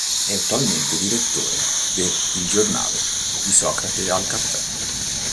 È attualmente direttore de “Il giornale di Socrate al caffè.